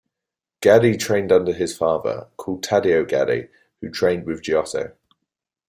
Gaddi trained under his father, called Taddeo Gaddi, who trained with Giotto.